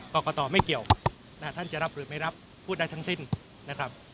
กรกตไม่เกี่ยวท่านจะรับหรือไม่รับพูดได้ทั้งสิ้นนะครับ